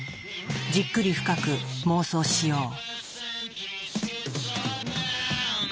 じっくり深く妄想しよう。